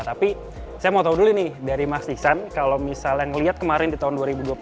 tapi saya mau tahu dulu nih dari mas iksan kalau misalnya ngeliat kemarin di tahun dua ribu dua puluh satu